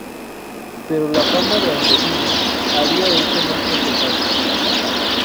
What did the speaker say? Pero la fama de Angelina había hecho más que empezar.